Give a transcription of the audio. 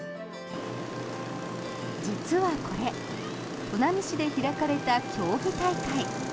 実はこれ砺波市で開かれた競技大会。